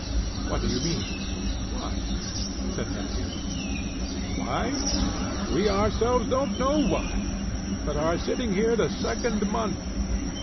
"What do you mean? Why?" said Nekhludoff. "Why? We ourselves don't know why, but are sitting here the second month."